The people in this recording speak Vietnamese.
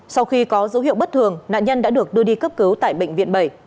sau khi có dấu hiệu bất thường nạn nhân đã được đưa đi cấp cứu tại bệnh viện bảy